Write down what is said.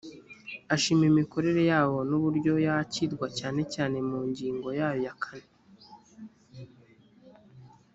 ashima imikorere yabo n’uburyo yakirwa cyane cyane mu ngingo yayo ya kane